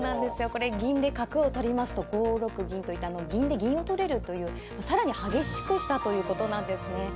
これ銀で角を取りますと５六銀といたのを銀で銀を取れるという更に激しくしたということなんですね。